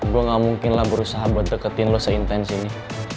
gue gak mungkinlah berusaha buat deketin lo se intensi ini